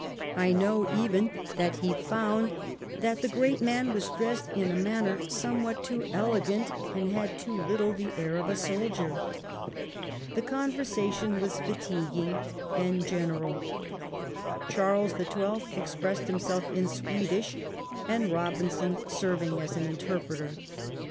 I know even that he found that the great man was dressed in a manner some what too elegant, and had too little the air of a soldier. The conversation was fatiguing and general, Charles the Twelfth expressing himself in Swedish and Eobinson serving as interpreter.